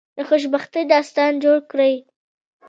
د خوشبختی داستان جوړ کړی.